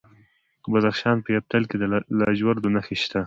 د بدخشان په یفتل کې د لاجوردو نښې شته.